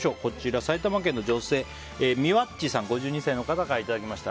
埼玉県の女性、５２歳の方からいただきました。